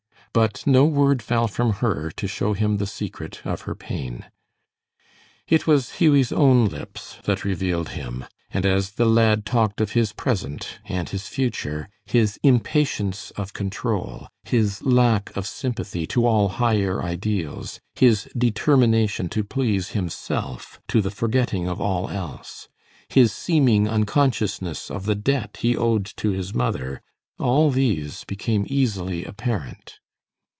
But no word fell from her to show him the secret of her pain, it was Hughie's own lips that revealed him, and as the lad talked of his present and his future, his impatience of control, his lack of sympathy to all higher ideals, his determination to please himself to the forgetting of all else, his seeming unconsciousness of the debt he owed to his mother, all these became easily apparent.